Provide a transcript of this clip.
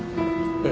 ええ。